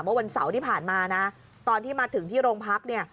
เมื่อวันเสาร์ที่ผ่านมานะตอนที่มาถึงที่โรงพักเนี่ย